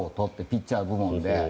ピッチャー部門で。